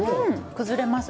崩れます。